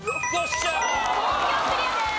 東京クリアです。